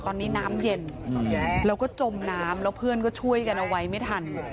ตอนนี้น้ำเย็นแล้วก็จมน้ำแล้วเพื่อนก็ช่วยกันเอาไว้ไม่ทัน